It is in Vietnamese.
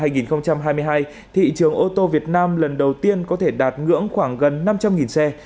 năm hai nghìn hai mươi hai thị trường ô tô việt nam lần đầu tiên có thể đạt ngưỡng khoảng gần năm trăm linh xe